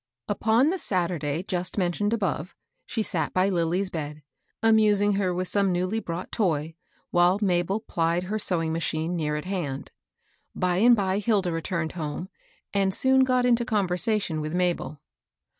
Upon the Saturday just mentioned above, she sat by Lilly's bed, amusing her with some newly brought toy, while Mabel plied her sewing m^hine near at hand. By and by Hilda returned home, and soon got into conversation with Mabel.